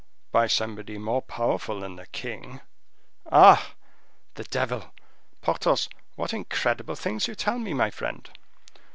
"By somebody more powerful than the king." "Ah! the devil! Porthos: what incredible things you tell me, my friend!"